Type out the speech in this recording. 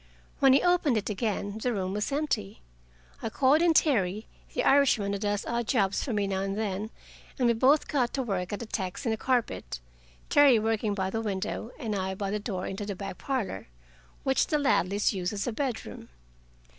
When he opened it again, the room was empty. I called in Terry, the Irishman who does odd jobs for me now and then, and we both got to work at the tacks in the carpet, Terry working by the window, and I by the door into the back parlor, which the Ladleys used as a bedroom.